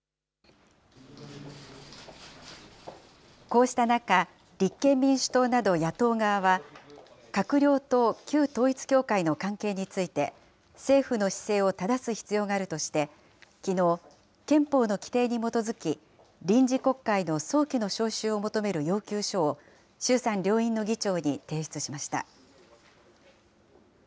こうした中、立憲民主党など野党側は、閣僚と旧統一教会の関係について、政府の姿勢をただす必要があるとして、きのう、憲法の規定に基づき、臨時国会の早期の召集を求める要求書を衆参両院の議長に提出しました。